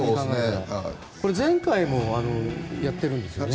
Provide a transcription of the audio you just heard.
これ、前回もやってるんですよね。